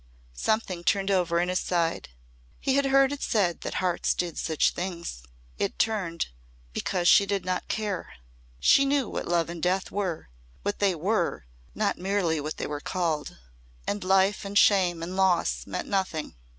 Something turned over in his side. He had heard it said that hearts did such things. It turned because she did not care. She knew what love and death were what they were not merely what they were called and life and shame and loss meant nothing.